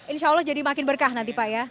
insya allah jadi makin berkah nanti pak ya